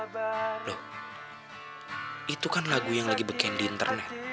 loh itu kan lagu yang lagi beken di internet